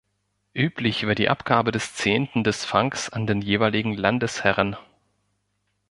Üblich war die Abgabe des Zehnten des Fangs an den jeweiligen Landesherren.